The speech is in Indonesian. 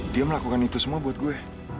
dia melakukan itu semua buat gue